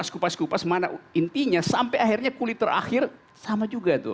kupas kupas mana intinya sampai akhirnya kulit terakhir sama juga tuh